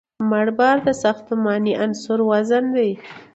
مړ بار د ساختماني عنصر وزن دی